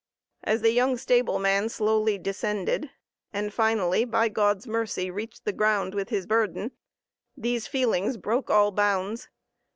As the young stableman slowly descended, and finally, by God's mercy, reached the ground with his burden, these feelings broke all bounds.